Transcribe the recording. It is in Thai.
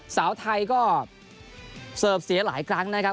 สาวไทยก็เสิร์ฟเสียหลายครั้งนะครับ